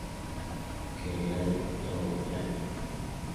Que Rei Sou Eu?